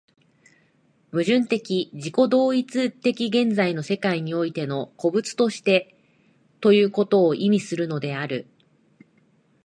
矛盾的自己同一的現在の世界においての個物としてということを意味するのである。